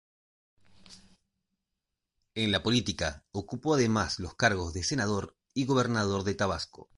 En la política ocupó además los cargos de Senador y Gobernador de Tabasco.